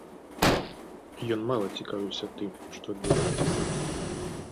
Ён мала цікавіўся тым, што адбываецца.